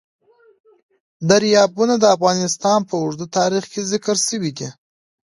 دریابونه د افغانستان په اوږده تاریخ کې ذکر شوی دی.